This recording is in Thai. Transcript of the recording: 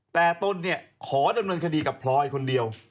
แต่ตนเนี่ยขอดำเนินคดีกับพลอยคนเดียว